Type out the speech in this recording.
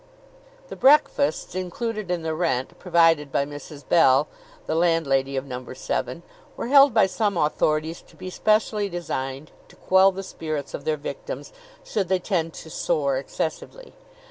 The breakfasts included in the rent provided by Mrs. Bell, the landlady of Number Seven, were held by some authorities to be specially designed to quell the spirits of their victims, should they tend to soar excessively.